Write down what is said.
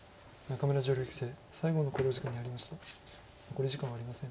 残り時間はありません。